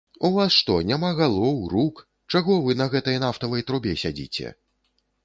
У вас, што, няма галоў, рук, чаго вы на гэтай нафтавай трубе сядзіце?